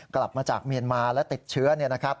กลับมาจากเมียนมาและติดเชื้อเนี่ยนะครับ